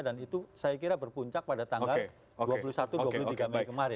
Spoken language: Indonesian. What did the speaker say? dan itu saya kira berpuncak pada tanggal dua puluh satu dua puluh tiga mei kemarin